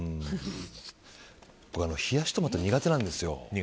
僕、冷やしトマト苦手なんですよ。